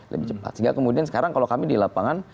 lebih cepat sehingga kemudian sekarang kalau kami di lapangan